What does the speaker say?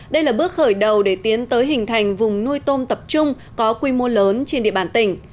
đây là bước khởi đầu để tiến tới hình thành vùng nuôi tôm tập trung có quy mô lớn trên địa bàn tỉnh